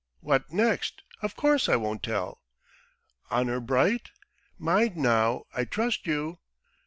"What next! Of course I won't tell." "Honour bright? Mind now! I trust you.